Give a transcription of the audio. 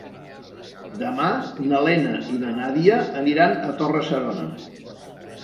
Demà na Lena i na Nàdia aniran a Torre-serona.